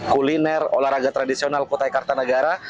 kuliner olahraga tradisional kutai kartanegara